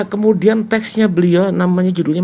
kemudian teksnya beliau namanya judulnya